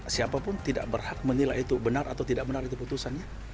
siapapun tidak berhak menilai itu benar atau tidak benar itu putusannya